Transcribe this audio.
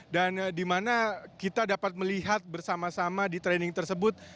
dan dimana kita dapat melihat bersama sama di training tersebut